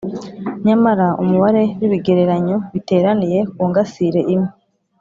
Nyamara umubare w'ibigereranyo biteraniye ku ngasire imwe